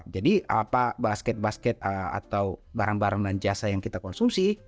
jadi apa basket basket atau barang barang dan jasa yang kita konsumsi